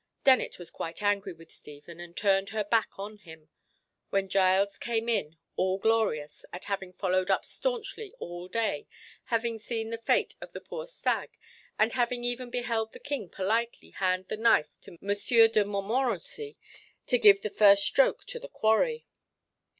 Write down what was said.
Dennet was quite angry with Stephen and turned her back on him, when Giles came in all glorious, at having followed up staunchly all day, having seen the fate of the poor stag, and having even beheld the King politely hand the knife to Monsieur de Montmorency to give the first stroke to the quarry!